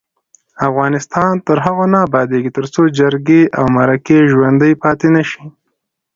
افغانستان تر هغو نه ابادیږي، ترڅو جرګې او مرکې ژوڼدۍ پاتې نشي.